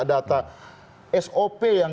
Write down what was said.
data sop yang